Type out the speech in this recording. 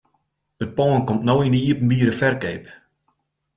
It pân komt no yn 'e iepenbiere ferkeap.